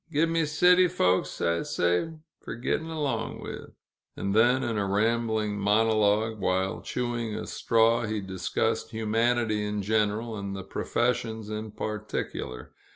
Give me city folks, I say, fer get'n' long with!" And then, in a rambling monologue, while chewing a straw, he discussed humanity in general, and the professions in particular.